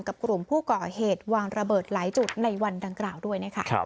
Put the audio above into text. กลุ่มผู้ก่อเหตุวางระเบิดหลายจุดในวันดังกล่าวด้วยนะคะ